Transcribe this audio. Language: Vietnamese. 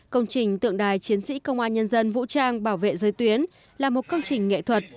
công trình tượng đài chiến sĩ công an nhân dân vũ trang bảo vệ giới tuyến là một công trình nghệ thuật